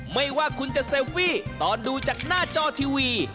ไม่ว่าคุณจะเซลฟี่ตอนดูจากหน้าจอทีวี